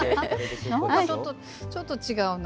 ちょっと違うな。